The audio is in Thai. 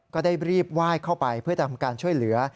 ก็ได้รีบไหว้เข้าไปเพื่อทำการช่วยเหลือ